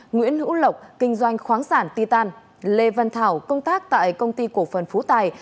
nguyễn hữu lộc kinh doanh khoáng sản ti tàn lê văn thảo công tác tại công ty cổ phần phú tài